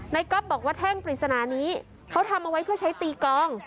ก๊อฟบอกว่าแท่งปริศนานี้เขาทำเอาไว้เพื่อใช้ตีกลอง